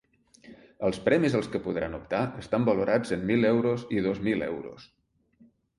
Els premis als que podran optar estan valorats en mil euros i dos mil euros.